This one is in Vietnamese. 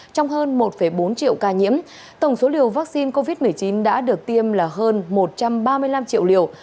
trong hơn một bốn triệu ca nhiễm tổng số liều vaccine covid một mươi chín đã được tiêm là hơn một trăm ba mươi năm triệu liều